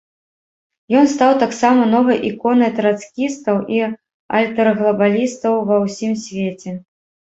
Ён стаў таксама новай іконай трацкістаў і альтэрглабалістаў ва ўсім свеце.